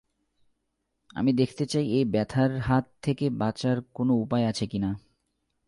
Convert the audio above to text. আমি দেখতে চাই এই ব্যথার হাত থেকে বাঁচার কোনো উপায় আছে কি না।